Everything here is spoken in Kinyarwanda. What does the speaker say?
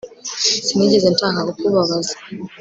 Sinigeze nshaka kukubabaza